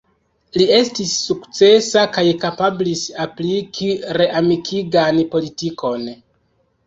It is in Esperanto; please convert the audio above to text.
Li estis sukcesa kaj kapablis apliki reamikigan politikon.